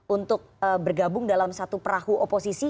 untuk bergabung dalam satu perahu oposisi